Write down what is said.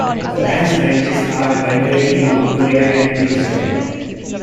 The bank's branches are primarily in Victoria and Queensland.